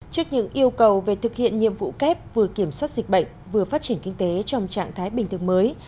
trước những yêu cầu về thực hiện nhiệm vụ kép vừa kiểm soát dịch bệnh vừa phát triển kinh tế trong trạng thái bình thường mới